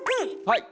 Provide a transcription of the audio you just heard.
はい。